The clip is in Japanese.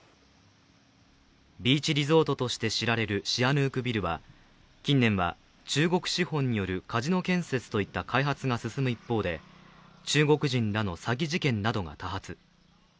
ビーチリゾートとして知られるシアヌークビルは近年は中国資本によるカジノ建設といった開発が進む一方で中国人らの詐欺事件などが多発。